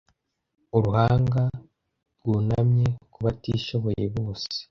uruhanga rwunamye ku batishoboye bose